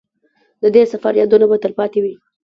د دې سفر یادونه به تلپاتې وي.